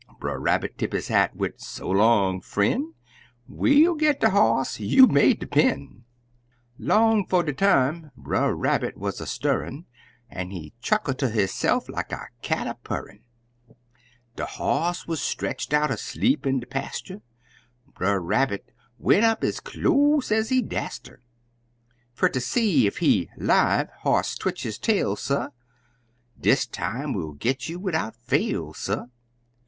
Brer Rabbit tip his hat, wid, "So long, frien'; We'll git de hoss, you may depen'." Long 'fo' de time, Brer Rabbit wuz a stirrin', An' he chuckle ter hisse'f like a cat a purrin'; De hoss wuz stretched out asleep in de pastur'; Brer Rabbit went up des ez close ez he dast ter, Fer ter see ef he 'live: hoss switched his tail, suh! "Dis time we'll git you widout fail, suh!"